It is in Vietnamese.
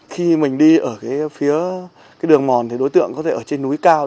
khi mình đi ở phía đường mòn thì đối tượng có thể ở trên núi cao